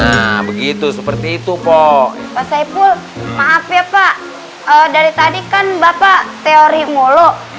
sepuluh gelas oke nah begitu seperti itu kok pasai pool maaf ya pak dari tadi kan bapak teori mulu